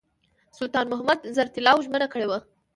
سلطان محمود زر طلاوو ژمنه کړې وه.